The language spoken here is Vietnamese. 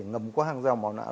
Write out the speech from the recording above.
ngầm qua hàng dao màu não